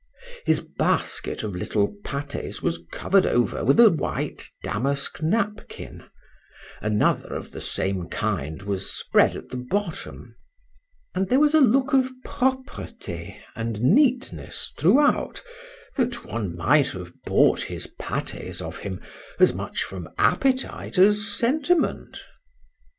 His basket of little pâtés was covered over with a white damask napkin; another of the same kind was spread at the bottom; and there was a look of propreté and neatness throughout, that one might have bought his pâtés of him, as much from appetite as sentiment.